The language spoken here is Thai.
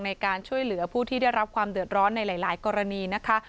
ในการช่วยเหลือผู้ที่ได้รับความเดือดร้อนในหลายกรณีนะคะ